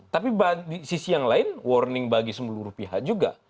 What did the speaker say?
tapi di sisi yang lain warning bagi seluruh pihak juga